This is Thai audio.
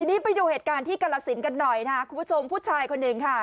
ทีนี้ไปดูเหตุการณ์ที่กรสินกันหน่อยนะครับคุณผู้ชมผู้ชายคนหนึ่งค่ะ